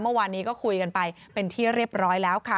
เมื่อวานนี้ก็คุยกันไปเป็นที่เรียบร้อยแล้วค่ะ